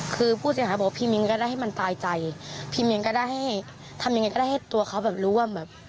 คือผู้เสียหายบอกว่าพี่มิ้นก็ได้ให้มันตายใจพี่มิ้นก็ได้ให้ทำยังไงก็ได้ให้ตัวเขาแบบรู้ว่าแบบ